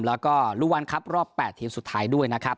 แล้วก็ลูกวันครับรอบ๘ทีมสุดท้ายด้วยนะครับ